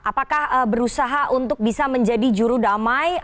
apakah berusaha untuk bisa menjadi jurudamai